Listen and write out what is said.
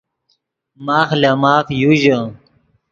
ماخ لے ماف یو ژے